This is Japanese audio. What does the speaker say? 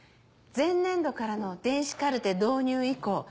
前年度からの電子カルテ導入以降